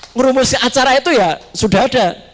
merumusi acara itu ya sudah ada